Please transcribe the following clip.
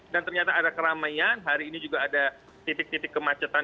dan ternyata ada keramaian hari ini juga ada titik titik kemacetan